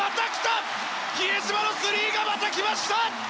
比江島のスリーがまた来ました！